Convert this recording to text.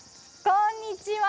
こんにちは。